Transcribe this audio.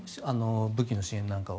武器の支援なんかを。